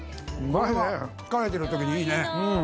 疲れてるときにいいね。